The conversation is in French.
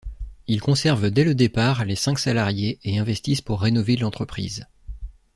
Ils conservent dès le départ les cinq salariés et investissent pour rénover l’entreprise.